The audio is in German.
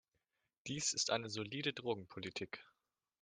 Dies ist eine solide Drogenpolitik.